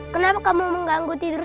kenapa kamu mengganggu tidur